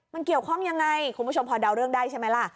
มันเกี่ยวข้องยังไงคุณผู้ชมพอเดาเรื่องได้ใช่ไหมล่ะ